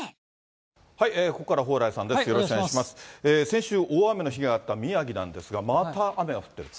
先週、大雨の被害があった宮城なんですが、また雨が降ってる。